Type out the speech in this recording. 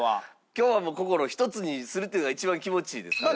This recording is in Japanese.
今日はもう心を一つにするっていうのが一番気持ちいいですからね。